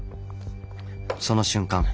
その瞬間